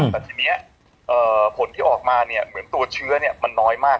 แต่ทีนี้ผลที่ออกมาเนี่ยเหมือนตัวเชื้อมันน้อยมาก